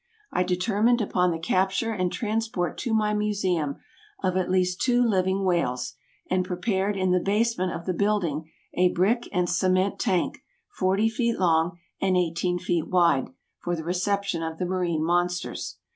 I determined upon the capture and transport to my Museum of at least two living whales, and prepared in the basement of the building a brick and cement tank, forty feet long, and eighteen feet wide, for the reception of the marine monsters.